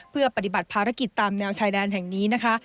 เพื่อปฏิบัติภารกิจตามแนวชายแดนแห่งนี้นะคะ